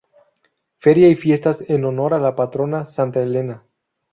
Feria y Fiestas en honor a la patrona Santa Elena.